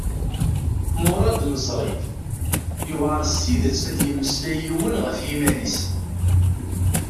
Muṛad Meẓri: Iwεer s tidet ad d-yemmeslay yiwen ɣef yiman-is.